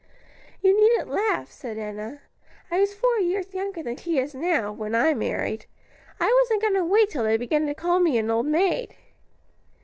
"You needn't laugh," said Enna; "I was four years younger than she is now, when I married. I wasn't going to wait till they began to call me an old maid."